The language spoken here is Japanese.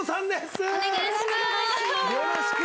よろしくお願いします。